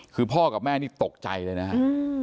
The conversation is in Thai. คือพ่อกับแม่นี่ตกใจเลยนะครับ